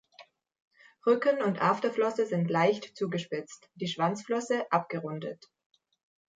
Rücken- und Afterflosse sind leicht zugespitzt, die Schwanzflosse abgerundet.